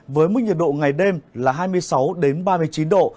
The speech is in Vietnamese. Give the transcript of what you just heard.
với mức nhiệt độ ngày đêm là hai mươi sáu ba mươi chín độ